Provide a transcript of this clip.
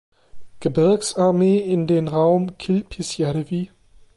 Gebirgs-Armee in den Raum Kilpisjärvi.